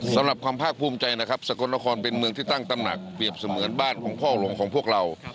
สำหรับความภาคภูมิใจนะครับสกลนครเป็นเมืองที่ตั้งตำหนักเปรียบเสมือนบ้านของพ่อหลงของพวกเรา